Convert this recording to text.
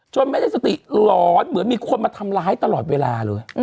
ไม่ได้สติหลอนเหมือนมีคนมาทำร้ายตลอดเวลาเลย